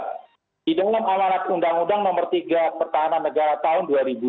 hidup alam awalat undang undang nomor tiga pertahanan negara tahun dua ribu dua